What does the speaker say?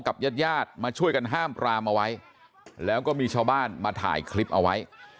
ญาติญาติมาช่วยกันห้ามปรามเอาไว้แล้วก็มีชาวบ้านมาถ่ายคลิปเอาไว้